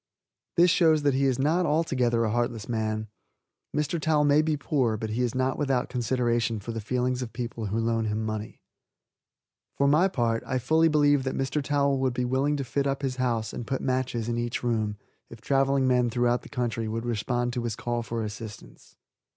This shows that he is not altogether a heartless man. Mr. Towel may be poor, but he is not without consideration for the feelings of people who loan him money. For my own part I fully believe that Mr. Towel would be willing to fit up his house and put matches in each room if traveling men throughout the country would respond to this call for assistance.